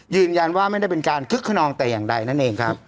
ยืนยันว่าไม่ได้เป็นการคึกขนองแต่อย่างใดนั่นเองครับ